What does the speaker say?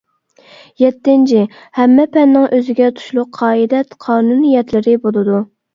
يەتتىنچى، ھەممە پەننىڭ ئۆزىگە تۇشلۇق قائىدە-قانۇنىيەتلىرى بولىدۇ.